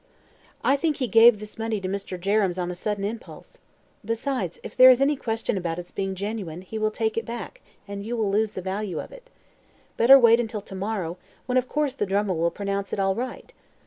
"I think he gave this money to Mr. Jerrems on a sudden impulse. Perhaps, if there is any question about its being genuine, he will take it back, and you will lose the value of it. Better wait until to morrow, when of course the drummer will pronounce it all right.